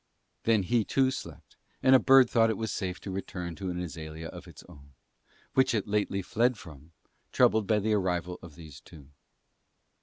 Then he too slept, and a bird thought it safe to return to an azalea of its own; which it lately fled from troubled by the arrival of these two.